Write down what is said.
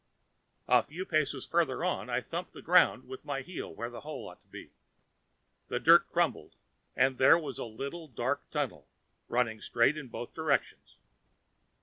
A few paces farther on, I thumped the ground with my heel where the hole ought to be. The dirt crumbled, and there was the little dark tunnel, running straight in both directions.